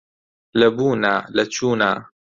لە بوونا لە چوونا